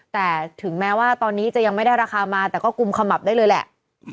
แต่ถึงแม้ว่าตอนนี้จะยังไม่ได้ราคามาแต่ก็กุมขมับได้เลยแหละ